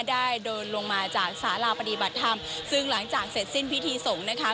ได้เดินลงมาจากสาราปฏิบัติธรรมซึ่งหลังจากเสร็จสิ้นพิธีสงฆ์นะคะ